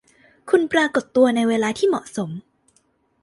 คุณปรากฏตัวในเวลาที่เหมาะสม